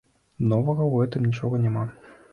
Новага ў гэтым нічога няма.